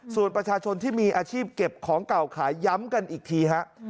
ส่วนประชาชนที่มีอาชีพเก็บของเก่าขายย้ำกันอีกทีฮะ